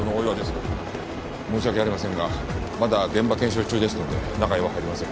申し訳ありませんがまだ現場検証中ですので中へは入れません。